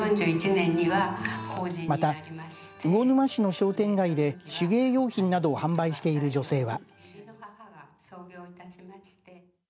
また魚沼市の商店街で手芸用品などを販売している女性は。